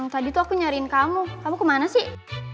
tadi tuh aku nyariin kamu kamu kemana sih